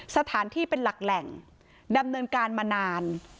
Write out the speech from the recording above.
สถานที่เป็นหลักแหล่งดำเนินการมานาน